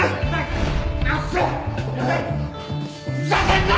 ふざけんな！